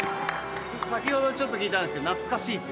先ほどちょっと聞いたんですけど懐かしいって。